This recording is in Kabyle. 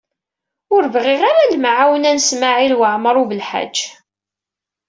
Ur bɣiɣ ara lemɛawna n Smawil Waɛmaṛ U Belḥaǧ.